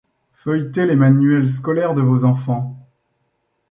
Feuilletez les manuels scolaires de vos enfants.